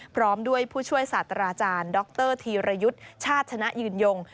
พร้อมด้วยผู้ช่วยศาสตราจารย์ดรธีรยุทธ์ชาติชนะยืนยง